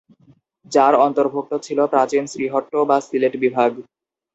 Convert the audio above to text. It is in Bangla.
যার অন্তর্ভুক্ত ছিল প্রাচীন শ্রীহট্ট বা সিলেট বিভাগ।